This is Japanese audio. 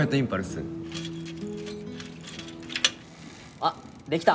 あっできた！